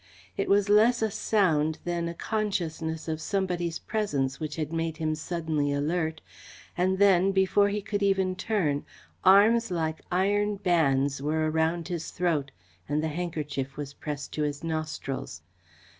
It was less a sound than the consciousness of somebody's presence which had made him suddenly alert, and then, before he could even turn, arms like iron bands were around his throat and the handkerchief was pressed to his nostrils.